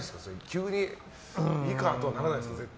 急に、いいかとはならないんですか。